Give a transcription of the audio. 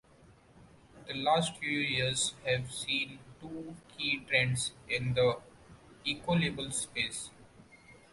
The last few years have seen two key trends in the ecolabels space.